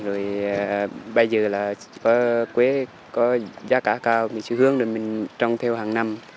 rồi bây giờ là quế có giá cả cao mình sử hướng rồi mình trồng theo hàng năm